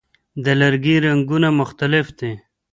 د لرګي رنګونه مختلف دي.